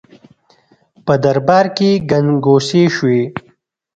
په دربار کې ګنګوسې شوې.